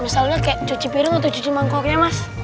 misalnya kayak cuci piring atau cuci mangkoknya mas